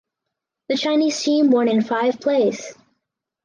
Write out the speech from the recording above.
The Chinese team won in five plays.